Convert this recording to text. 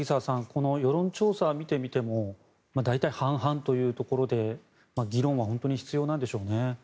この世論調査を見てみても大体、半々というところで議論は本当に必要なんでしょうね。